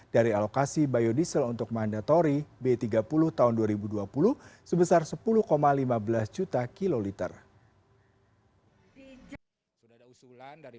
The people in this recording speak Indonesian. dari alokasi biodiesel untuk mandatori b tiga puluh tahun dua ribu dua puluh sebesar sepuluh lima belas juta kiloliter